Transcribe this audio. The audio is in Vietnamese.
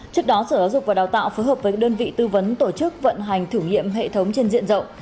trước đó sở giáo dục và đào tạo phối hợp với đơn vị tư vấn tổ chức vận hành thử nghiệm hệ thống trên diện rộng